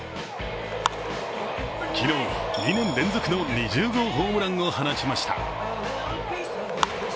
昨日、２年連続の２０号ホームランを放ちました。